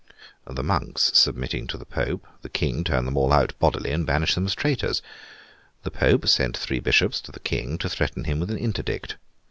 The monks submitting to the Pope, the King turned them all out bodily, and banished them as traitors. The Pope sent three bishops to the King, to threaten him with an Interdict.